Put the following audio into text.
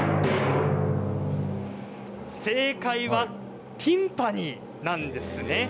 正解はティンパニーなんです。